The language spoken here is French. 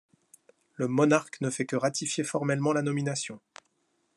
Le monarque ne fait que ratifier formellement la nomination.